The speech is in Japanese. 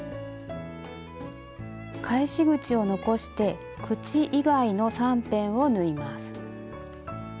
返し口を残して口以外の３辺を縫います。